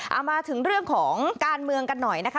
เอามาถึงเรื่องของการเมืองกันหน่อยนะคะ